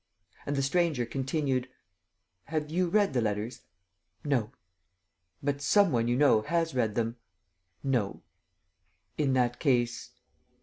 And the stranger continued: "Have you read the letters?" "No." "But some one you know has read them?" "No." "In that case ..."